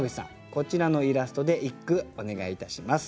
こちらのイラストで一句お願いいたします。